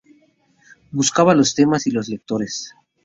Buscaba los temas y los lectores.